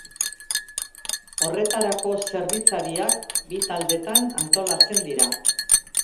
Horretarako zerbitzariak bi taldetan antolatzen dira.